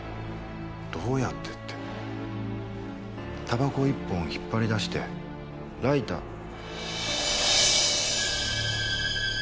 どうやってってたばこを１本引っ張り出してライター。